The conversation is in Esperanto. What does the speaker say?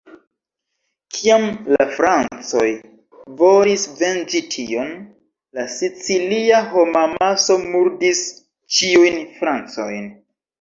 Kiam la francoj volis venĝi tion, la sicilia homamaso murdis ĉiujn francojn.